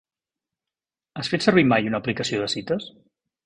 Has fet servir mai una aplicació de cites?